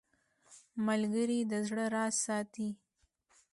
ملګری د زړه راز ساتي